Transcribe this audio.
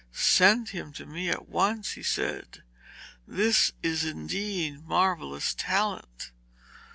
'Send him to me at once,' he said. 'This is indeed marvellous talent.'